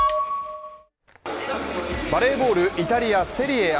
バレーボール、イタリアセリエＡ